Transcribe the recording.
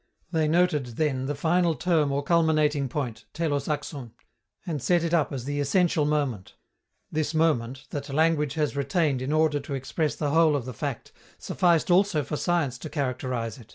They noted, then, the final term or culminating point ([Greek: telos, akmê]) and set it up as the essential moment: this moment, that language has retained in order to express the whole of the fact, sufficed also for science to characterize it.